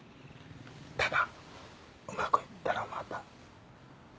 ただうまくいったらまた。